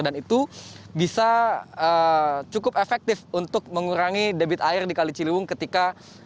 dan itu bisa cukup efektif untuk mengurangi debit air di kali ciliwung ketika